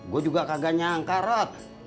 gue juga kagak nyangka roh